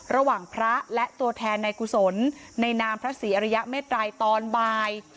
ระหว่างพระและตัวแทนในกุศลในนามพระศรีอริยเมตรัยตอนบ่าย